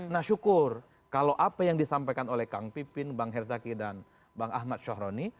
nah syukur kalau apa yang disampaikan oleh kang pipin bang herzaki dan bang ahmad syahroni